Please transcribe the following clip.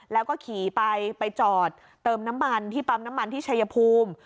แล้วก็ขี่ไปไปจอดเติมน้ำมันที่ปั๊มน้ำมันที่ชายภูมิ